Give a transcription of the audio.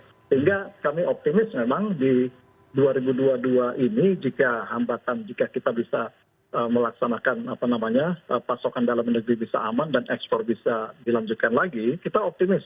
sehingga kami optimis memang di dua ribu dua puluh dua ini jika hambatan jika kita bisa melaksanakan pasokan dalam negeri bisa aman dan ekspor bisa dilanjutkan lagi kita optimis